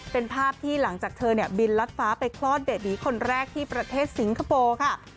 เป็นภาพที่หลังจากเธอเนี่ยบินลัดฟ้าไปคลอดเบบีคนแรกที่ประเทศสิงคโปร์ค่ะ